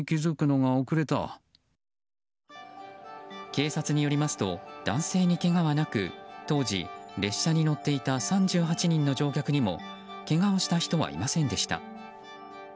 警察によりますと男性にけがはなく当時、列車に乗っていた３８人の乗客にもけがをした人はいませんでした。